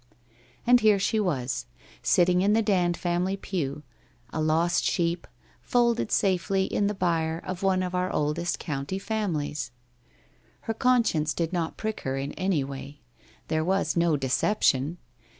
And here she was, sitting in the Dand family pew, a lost sheep, folded safely in the byre of one of our oldest WHITE ROSE OF WEARY LEAF 53 county families! Her conscience did not prick lier in any way. There was no deception.